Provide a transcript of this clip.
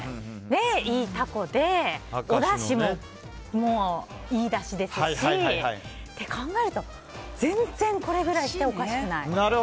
いいタコで、おだしもいいだしですしって考えると全然、これぐらいしてもおかしくない。